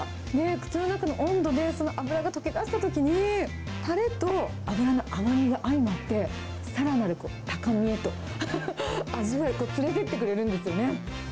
口の中の温度で、その脂が溶けだしたときに、たれと脂の甘みが相まって、さらなる高みへと、連れていってくれるんですよね。